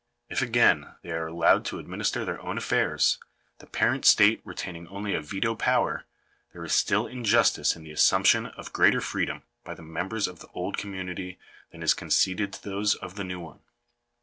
If, again, they are allowed to administer their own affairs, the parent state retaining only a veto power, there is still injustice in the assumption of greater freedom by the members of the old community than is conceded to those of the new one.